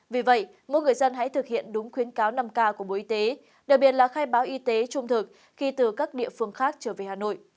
vì vậy mỗi người dân hãy thực hiện đúng khuyến cáo năm k của bộ y tế đặc biệt là khai báo y tế trung thực khi từ các địa phương khác trở về hà nội